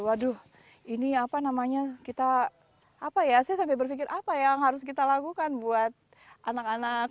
waduh ini apa namanya kita apa ya saya sampai berpikir apa yang harus kita lakukan buat anak anak